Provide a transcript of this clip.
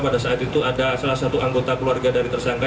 pada saat itu ada salah satu anggota keluarga dari tersangka